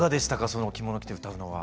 そのお着物着て歌うのは。